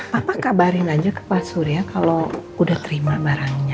papa kabarin aja ke pak surya kalau udah terima barangnya